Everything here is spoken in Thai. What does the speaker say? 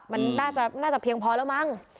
มันน่าจะเพียงพอแล้วมั้ง